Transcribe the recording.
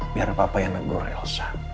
biar papa yang menegur elsa